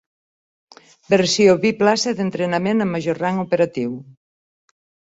Versió biplaça d'entrenament amb major rang operatiu.